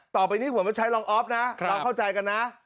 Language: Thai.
ตอนนี้เขาเข้าใจกันนะ